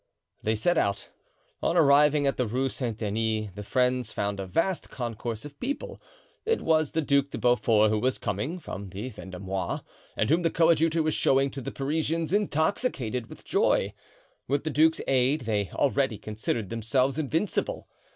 They set out. On arriving at the Rue Saint Denis, the friends found a vast concourse of people. It was the Duc de Beaufort, who was coming from the Vendomois and whom the coadjutor was showing to the Parisians, intoxicated with joy. With the duke's aid they already considered themselves invincible.